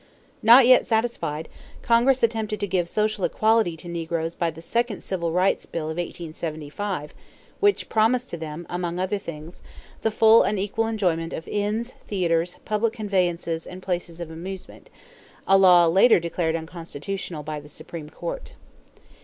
Not yet satisfied, Congress attempted to give social equality to negroes by the second civil rights bill of 1875 which promised to them, among other things, the full and equal enjoyment of inns, theaters, public conveyances, and places of amusement a law later declared unconstitutional by the Supreme Court.